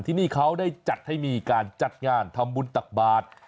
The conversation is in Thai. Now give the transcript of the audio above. ที่นี่เขาได้จัดให้มีการจัดงานทำบุญตักบาท